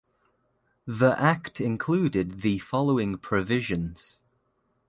The Act included the following provisions.